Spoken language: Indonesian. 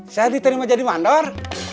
saya diterima jadi mandor